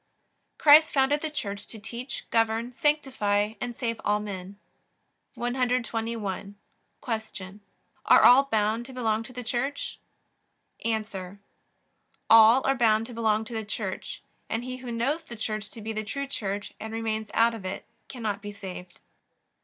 Christ founded the Church to teach, govern, sanctify, and save all men. 121. Q. Are all bound to belong to the Church? A. All are bound to belong to the Church, and he who knows the Church to be the true Church and remains out of it cannot be saved.